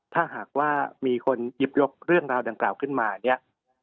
ถ้าหากว่ามีคนหยิบยกเรื่องราวดังกล่าวขึ้นมาเนี่ย